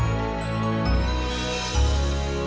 aku gak mau kamu menyesal nantinya reno